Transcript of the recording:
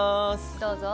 どうぞ。